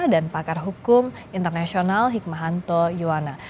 dan pakar hukum internasional hikmahanto johana